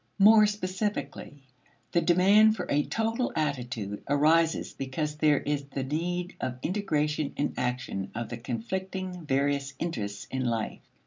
More specifically, the demand for a "total" attitude arises because there is the need of integration in action of the conflicting various interests in life.